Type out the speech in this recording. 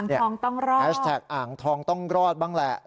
ทองต้องรอดแฮชแท็กอ่างทองต้องรอดบ้างแหละ